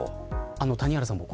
谷原さん